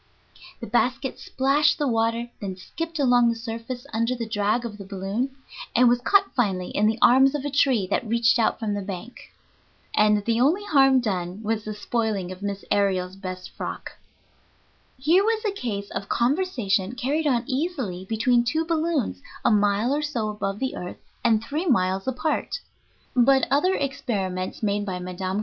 The basket splashed the water, then skipped along the surface under the drag of the balloon, and was caught finally in the arms of a tree that reached out from the bank. And the only harm done was the spoiling of Miss Aërial's best frock! Here was a case of conversation carried on easily between two balloons a mile or so above the earth and three miles apart. But other experiments made by Mme.